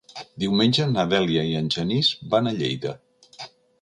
Diumenge na Dèlia i en Genís van a Lleida.